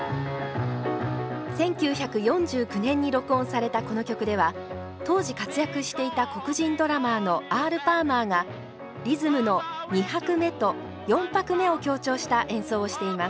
１９４９年に録音されたこの曲では当時活躍していた黒人ドラマーのアール・パーマーがリズムの２拍目と４拍目を強調した演奏をしています。